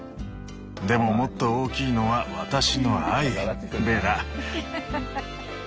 でももっと大きいのは私の愛。ベラ」。